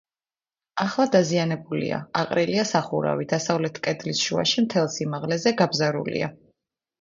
ახლა დაზიანებულია: აყრილია სახურავი, დასავლეთ კედლის შუაში მთელს სიმაღლეზე, გაბზარულია.